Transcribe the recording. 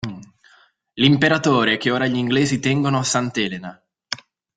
L'Imperatore che ora gl'inglesi tengono a Sant'Elena.